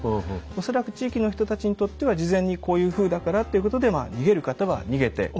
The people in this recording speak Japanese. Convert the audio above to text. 恐らく地域の人たちにとっては事前にこういうふうだからっていうことで逃げる方は逃げて。